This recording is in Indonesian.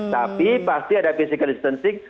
tapi pasti ada physical distancing